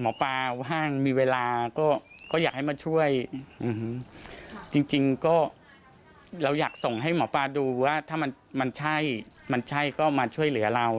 หมอปลาห้างมีเวลาก็อยากให้มาช่วยจริงก็เราอยากส่งให้หมอปลาดูว่าถ้ามันใช่มันใช่ก็มาช่วยเหลือเรา